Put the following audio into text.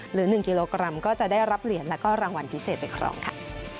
หรือ๑กิโลกรัมก็จะได้รับเหรียญแล้วก็รางวัลพิเศษไปครองค่ะ